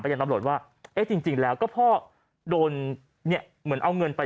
ยังตำรวจว่าเอ๊ะจริงแล้วก็พ่อโดนเนี่ยเหมือนเอาเงินไป